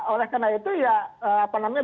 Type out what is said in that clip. oleh karena itu ya apa namanya